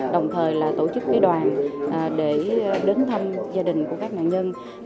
đồng thời là tổ chức cái đoàn để đến thăm gia đình của các nạn nhân